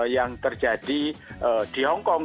yang terjadi di hong kong